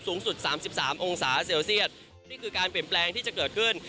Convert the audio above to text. สูงสุด๓๓องศาเซลเซียตนี่คือการเปลี่ยนแปลงที่จะเกิดขึ้น